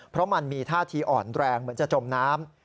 เพราะมันมีท่าทีอ่อนแรงเหมือนจะจมน้ำ